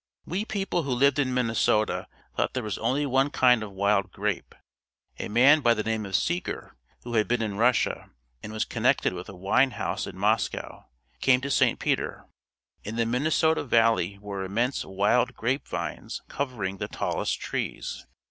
We people who lived in Minnesota thought there was only one kind of wild grape. A man by the name of Seeger who had been in Russia and was connected with a wine house in Moscow came to St. Peter. In the Minnesota valley were immense wild grape vines covering the tallest trees.